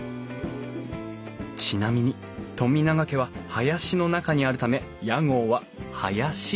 ちなみに富永家は林の中にあるため屋号は「林」といいます